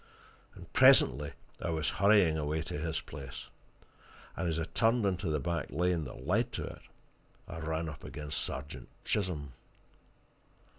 And presently I was hurrying away to his place, and as I turned into the back lane that led to it I ran up against Sergeant Chisholm.